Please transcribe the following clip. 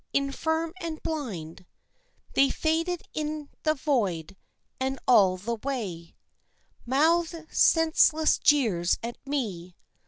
Infirm and blind, They faded in the void, and all the way Mouthed senseless jeers at me.